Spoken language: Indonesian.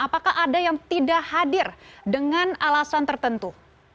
apakah ada yang tidak hadir dengan alasan tertentu